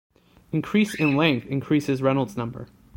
Increase in length increases Reynolds number.